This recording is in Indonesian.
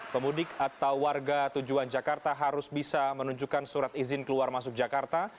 pemudik atau warga tujuan jakarta harus bisa menunjukkan surat izin keluar masuk jakarta